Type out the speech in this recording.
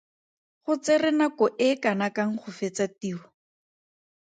Go tsere nako e kanakang go fetsa tiro?